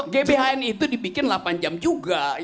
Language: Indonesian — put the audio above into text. gbhn itu dibikin delapan jam juga